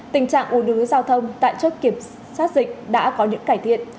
tình trạng u nứ giao thông tại chốt kiểm soát dịch đã có những cải thiện